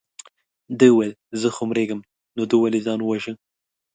ده وویل زه خو مرېږم نو ده ولې ځان وواژه.